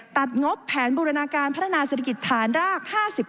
ตัดงบแผนบูรณาการพัฒนาศัตริกิจฐานราก๕๐